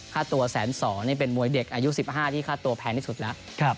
ค่าตัวแสนสองเป็นมวยเด็กอายุสิบห้าที่ค่าตัวแพงที่สุดแล้ว